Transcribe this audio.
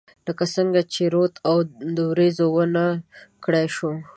لکه څنګه چې رود او، اوریځو ونه کړای شوه